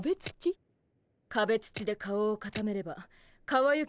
壁土で顔をかためればかわゆき